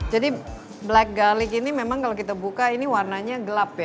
jadi black garlic ini memang kalau kita buka ini warnanya gelap ya